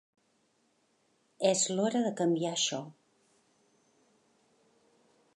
És l’hora de canviar això.